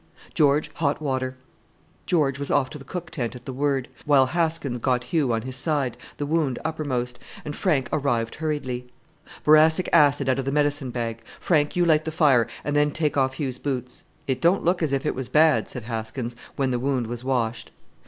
"George, hot water." George was off to the cook tent at the word, while Haskins got Hugh on his side, the wound uppermost, and Frank arrived hurriedly. "Boracic acid out of the medicine bag; Frank, you light the fire, and then take off Hugh's boots." "It don't look as if it was bad," said Haskins, when the wound was washed.